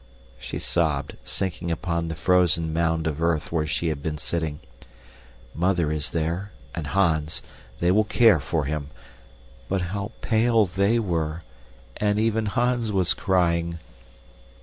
She sobbed, sinking upon the frozen mound of earth where she had been sitting. Mother is there, and Hans. They will care for him. But how pale they were. And even Hans was crying!